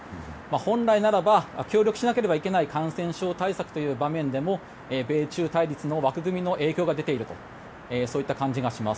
本来ならば協力しなければいけない感染症対策という場面でも米中対立の枠組みの影響が出ているとそういった感じがします。